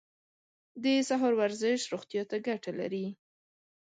د سهار ورزش روغتیا ته ګټه لري.